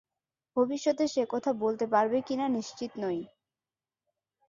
ভবিষ্যতে সে কথা বলতে পারবে কি-না নিশ্চিত নই।